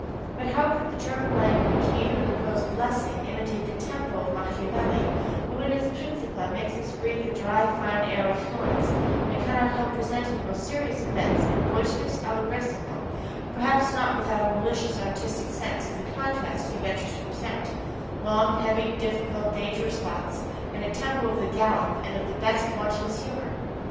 But how could the German language, even in the prose of Lessing, imitate the TEMPO of Machiavelli, who in his "Principe" makes us breathe the dry, fine air of Florence, and cannot help presenting the most serious events in a boisterous allegrissimo, perhaps not without a malicious artistic sense of the contrast he ventures to present long, heavy, difficult, dangerous thoughts, and a TEMPO of the gallop, and of the best, wantonest humour?